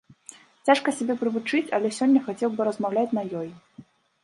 Цяжка сябе прывучыць, але сёння хацеў бы размаўляць на ёй.